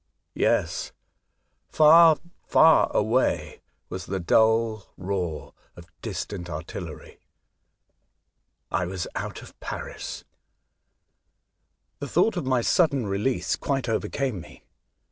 Yes ! The Escape, 19 far, far away was the dull roar of distant artillery. I was out of Paris. The thought of my sudden release quite overcame me.